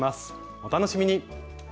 お楽しみに！